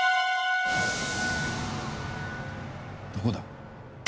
どこだ？